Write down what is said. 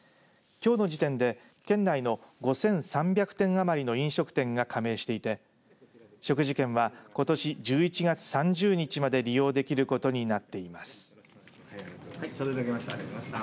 きょうの時点で県内の５３００店余りの飲食店が加盟していて食事券はことし１１月３０日まで利用できることになっています。